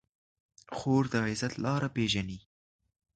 خور د عزت لاره پېژني.